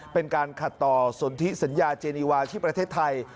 เป็นการขัดต่อสนทิสัญญาเจนีวาที่ประเทศไทย